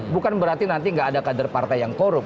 bukan berarti nanti nggak ada kader partai yang korup